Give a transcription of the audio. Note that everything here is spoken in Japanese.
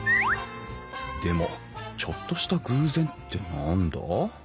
でもちょっとした偶然って何だ？